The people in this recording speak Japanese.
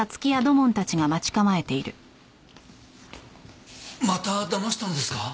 まただましたんですか？